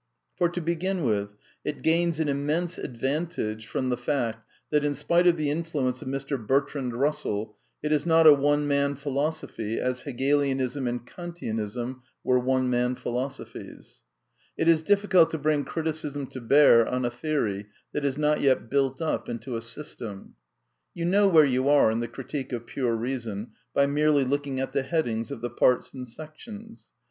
For, to begin with, it gains an im mense advantage from the fact that, in spite of the in fluence of Mr. Bertrand Russell, it is not a one man phi losophy as Hegelianism and Kantianism were one man philosophies. It is diflScult to bring criticism to bear on a theory that is not yet built up into a system. You know where you are in the Critique of Pure Reason by merely looking at the headings of the Parts and Sections.